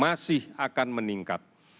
dan keadaan kita akan meningkat